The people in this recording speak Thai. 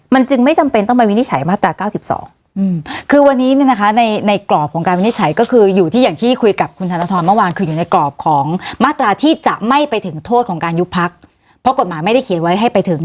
มันจึงไม่จำเป็นต้องไปวินิจฉัยมาตรา๙๒คือวันนี้เนี่ยนะคะในในกรอบของการวินิจฉัยก็คืออยู่ที่อย่างที่คุยกับคุณธนทรเมื่อวานคืออยู่ในกรอบของมาตราที่จะไม่ไปถึงโทษของการยุบพักเพราะกฎหมายไม่ได้เขียนไว้ให้ไปถึง